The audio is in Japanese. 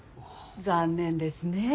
残念ですねえ。